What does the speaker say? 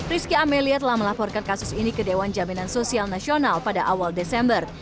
rizky amelia telah melaporkan kasus ini ke dewan jaminan sosial nasional pada awal desember